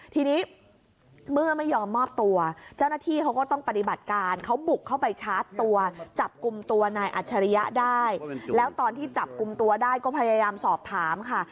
ทีนี้เมื่อไม่ยอมมอบตัวเจ้าหน้าที่เขาก็ต้องปฏิบัติการเขาบุกเข้าไปชาร์จตัวจับกลุ่มตัวนายอัจฉริยะได้แล้วตอนที่จับกลุ่มตัวได้ก็พยายามสอบถามค่ะ